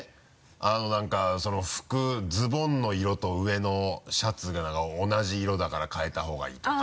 あのなんかその服ズボンの色と上のシャツがなんか同じ色だから変えた方がいいとか。